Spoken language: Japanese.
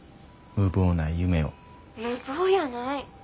無謀やない！